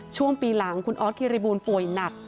ช่วงปีหลังคุณออสคิริบูลป่วยหนัก